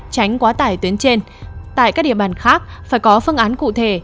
tránh quá tải tuyến trên tại các địa bàn khác phải có phương án cụ thể